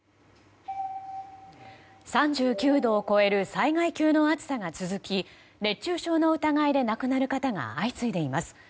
３９度を超える災害級の暑さが続き熱中症の疑いで亡くなる方が相次いでいます。